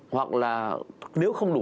hoặc là nếu không đủ